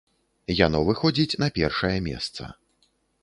Яно выходзіць на першае месца.